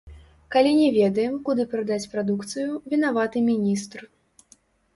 Калі не ведаем, куды прадаць прадукцыю, вінаваты міністр.